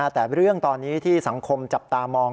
แต่เรื่องตอนนี้ที่สังคมจับตามอง